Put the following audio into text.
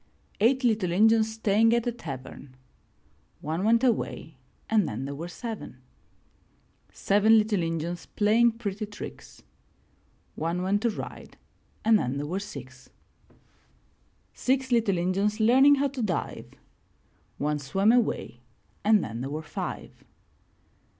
Eight little Injuns staying at a tavern — One went away and then there were seven. Seven little Injuns playing pretty tricks — One went to ride and then there were six. Six little Injuns learning how to dive — One swam away and then there were five.